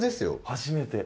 初めて。